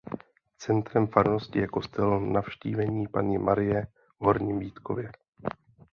Centrem farnosti je kostel Navštívení Panny Marie v Horním Vítkově.